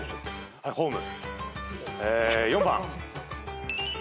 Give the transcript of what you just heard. はいホーム！